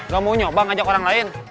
gak mau nyoba ngajak orang lain